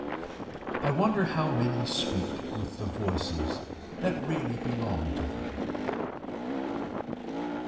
I wonder how many speak with the voices that really belong to them.